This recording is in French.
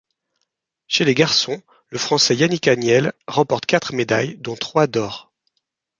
Chez les garçons, le Français Yannick Agnel remporte quatre médailles, dont trois d'or.